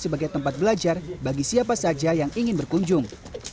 sebagai tempat belajar bagi siapa saja yang ingin berkunjung